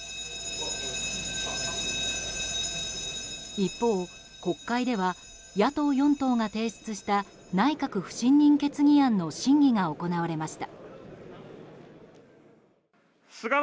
一方、国会では野党４党が提出した内閣不信任決議案の審議が行われました。